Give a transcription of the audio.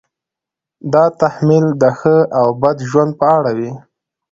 دا تحمیل د ښه او بد ژوند په اړه وي.